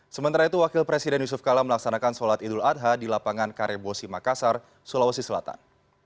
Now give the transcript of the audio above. sementara itu wakil presiden yusuf kala melaksanakan sholat idul adha di lapangan karebosi makassar sulawesi selatan